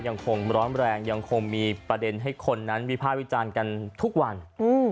ยังคงร้อนแรงยังคงมีประเด็นให้คนนั้นวิภาควิจารณ์กันทุกวันอืม